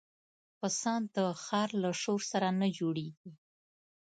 پسه د ښار له شور سره نه جوړيږي.